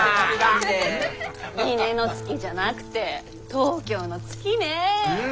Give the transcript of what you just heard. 峰乃月じゃなくて東京の月ねえ。